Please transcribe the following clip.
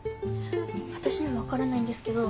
私にも分からないんですけど。